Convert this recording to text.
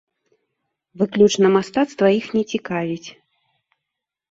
Выключна мастацтва іх не цікавіць.